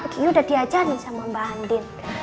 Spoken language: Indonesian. kan kiki udah diajarin sama mbak andi